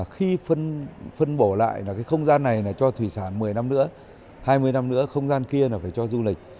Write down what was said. khi phân bổ lại là cái không gian này là cho thủy sản một mươi năm nữa hai mươi năm nữa không gian kia là phải cho du lịch